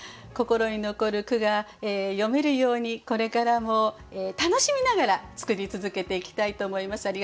心に残る句が詠めるようにこれからも楽しみながら作り続けていきたいと思います。